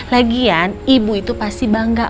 lagian ibu itu pasti bangga